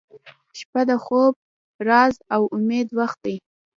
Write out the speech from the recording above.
• شپه د خوب، راز، او امید وخت دی